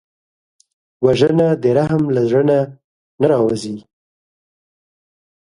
وژنه د رحم له زړه نه را نهوزي